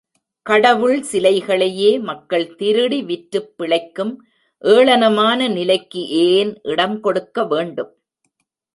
கடவுள் சிலைகளையே மக்கள் திருடி விற்றுப் பிழைக்கும் ஏளனமான நிலைக்கு ஏன் இடம் கொடுக்க வேண்டும்?